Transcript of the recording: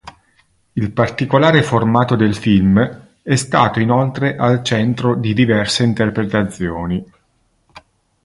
Il particolare formato del film è stato inoltre al centro di diverse interpretazioni.